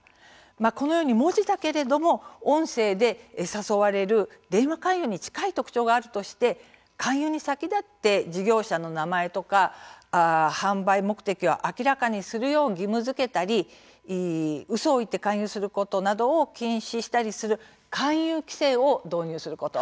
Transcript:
このように文字だけれども、音声で誘われる電話勧誘に近い特徴があるとして勧誘に先立って事業者の名前とか販売目的を明らかにするよう義務づけたりうそをついて勧誘することなどを禁止したりする勧誘規制を導入すること。